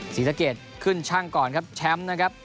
ศรีสะเกดขึ้นช่างก่อนครับแชมป์นะครับ